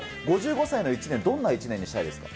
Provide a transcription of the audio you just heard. ５５歳の一年、どんな一年にしたいですか？